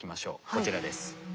こちらです。